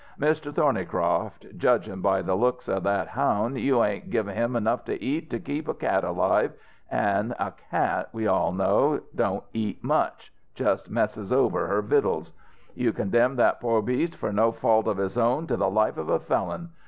Mr Thornycroft, judgin' by the looks of that houn', you ain't give him enough to eat to keep a cat alive an' a cat we all know, don't eat much, just messes over her vittles. You condemned that po' beast, for no fault of his own, to the life of a felon.